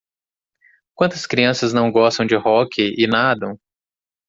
Quantas crianças não gostam de hóquei e nadam?